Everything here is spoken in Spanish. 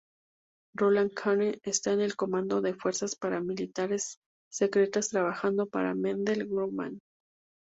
Roland Kane está en el comando de fuerzas paramilitares secretas trabajando para Mendel-Gruman.